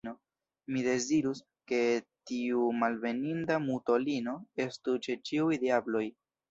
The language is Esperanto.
Mi dezirus, ke tiu malbeninda mutulino estu ĉe ĉiuj diabloj!